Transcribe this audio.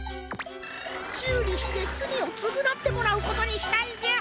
しゅうりしてつみをつぐなってもらうことにしたんじゃ。